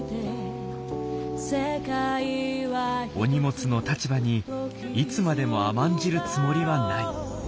お荷物の立場にいつまでも甘んじるつもりはない。